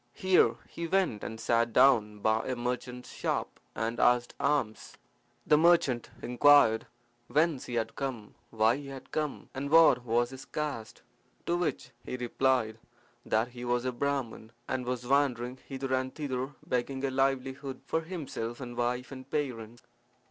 Here he went and sat down by a merchant's shop and asked alms. The merchant inquired whence he had come, why he had come, and what was his caste; to which he replied that he was a Brahman, and was wandering hither and thither begging a livelihood for himself and wife and parents.